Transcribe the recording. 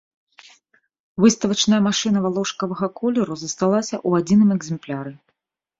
Выставачная машына валошкавага колеру засталася ў адзіным экземпляры.